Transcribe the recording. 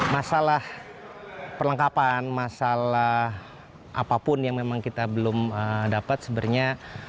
masalah perlengkapan masalah apapun yang memang kita belum dapat sebenarnya